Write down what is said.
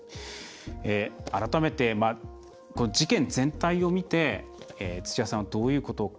改めて事件全体を見て、土屋さんどういうことを考えますか？